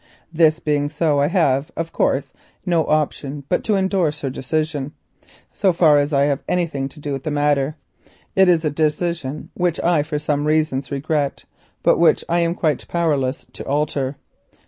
This being so I have of course no option but to endorse her decision, so far as I have anything to do with the matter. It is a decision which I for some reasons regret, but which I am quite powerless to alter.